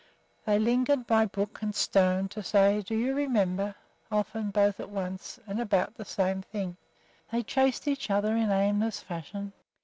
They lingered by brook and stone to say, "Do you remember?" often both at once and about the same thing. They chased each other in aimless fashion.